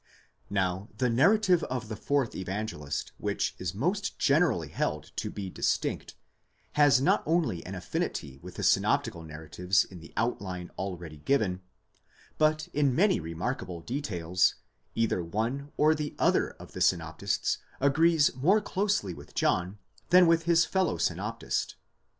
Now the narrative of the fourth Evangelist which is most generally held to be distinct, has not only an affinity with the synoptical narratives in the out line already given ; but in many remarkable details either one or the other of the synoptists agrees more closely with John than with his fellow synoptist.